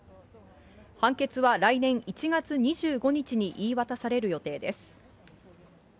判決は来年１月２５日に言い渡される予定です。